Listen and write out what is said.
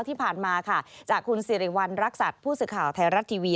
ที่ผ่านมาค่ะจากคุณสิริวัณรักษัตริย์ผู้สื่อข่าวไทยรัฐทีวี